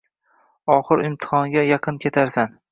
Axir imtihonga yaqin ketarsan